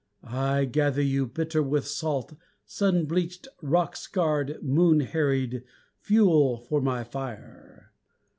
I gather you, Bitter with salt, Sun bleached, rock scarred, moon harried, Fuel for my fire.